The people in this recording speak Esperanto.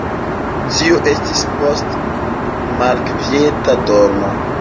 Tio estis post malkvieta dormo.